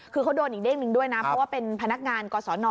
คือเขาโดนอีกเด้งด้วยนะเพราะว่าเป็นพนักงานกฎสอนอ